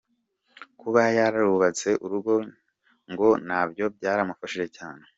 Kuba yarubatse urugo ngo nabyo byaramufashije cyane.